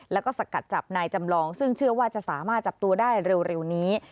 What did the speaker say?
แล้วก็สกัดจับนายจำลองซึ่งเชื่อว่าจะสามารถจับตัวได้เร็วนี้